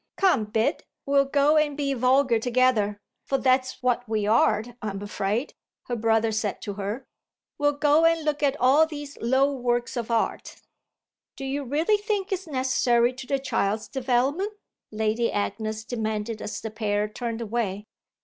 "Come, Bid, we'll go and be vulgar together; for that's what we are, I'm afraid," her brother said to her. "We'll go and look at all these low works of art." "Do you really think it's necessary to the child's development?" Lady Agnes demanded as the pair turned away.